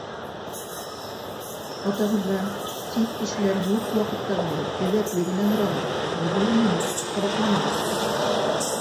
Атағыҙҙан, сит кешеләр юҡ ваҡытта ғына, әҙәпле генә һорағыҙ һәм бирмәһә, ҡабатламағыҙ.